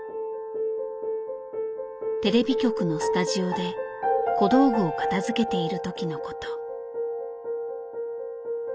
テレビ局のスタジオで小道具を片づけている時のこと。